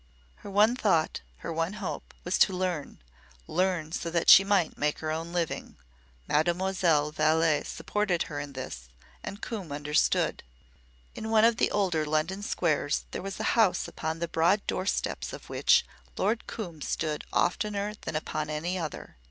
Her one thought her one hope was to learn learn, so that she might make her own living. Mademoiselle Vallé supported her in this, and Coombe understood. In one of the older London squares there was a house upon the broad doorsteps of which Lord Coombe stood oftener than upon any other.